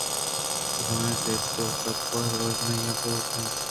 دُرٛاہیں لیٹ ءُبلپ روژنا بوت اَنت